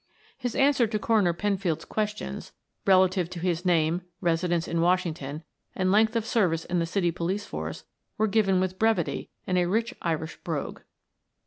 His answer to Coroner Penfield's questions relative to his name, residence in Washington, and length of service in the city Police Force were given with brevity and a rich Irish brogue.